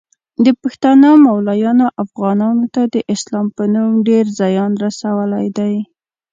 د پښتنو مولایانو افغانانو ته د اسلام په نوم ډیر ځیان رسولی دی